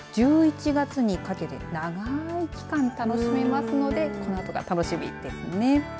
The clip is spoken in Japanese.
１１月にかけて長い期間、楽しめますのでこのあとが楽しみですね。